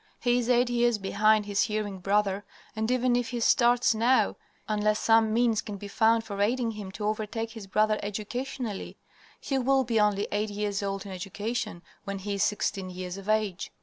He is eight years behind his hearing brother, and even if he starts now, unless some means can be found for aiding him to overtake his brother educationally, he will be only eight years old in education when he is sixteen years of age.